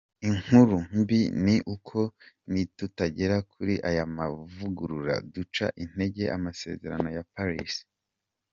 Inkuru mbi ni uko nitutagera kuri aya mavugurura, duca intege amasezerano ya Paris.